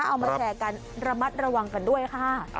เอามาแชร์กันระมัดระวังกันด้วยค่ะ